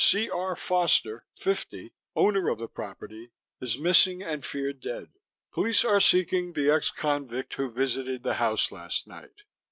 C.R. Foster, 50, owner of the property, is missing and feared dead. Police are seeking the ex convict who visited the house last night.